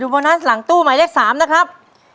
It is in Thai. โบนัสหลังตู้หมายเลข๓นะครับ